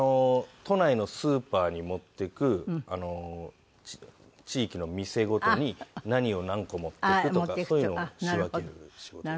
都内のスーパーに持って行く地域の店ごとに何を何個持って行くとかそういうのを仕分ける仕事です。